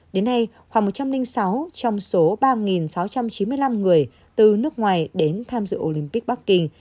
đến nay khoảng một trăm linh sáu trong số ba sáu trăm chín mươi năm người từ nước ngoài đến tham dự olympic bắc kinh